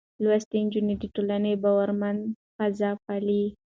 لوستې نجونې د ټولنې باورمنه فضا پالي.